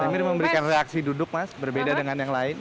hampir memberikan reaksi duduk mas berbeda dengan yang lain